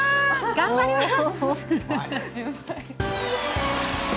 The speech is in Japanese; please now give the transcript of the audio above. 頑張ります！